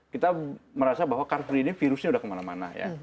kita merasa bahwa car free ini virusnya udah kemana mana ya